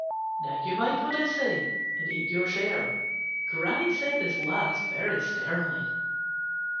Now you mind what I say and eat your share." Granny said this last very sternly.